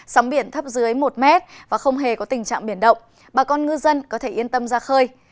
sóng biển thấp dưới một mét và không hề có tình trạng biển động bà con ngư dân có thể yên tâm ra khơi